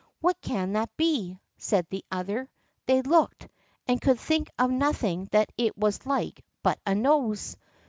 "What can that be?" said the other. They looked, and could think of nothing that it was like but a nose.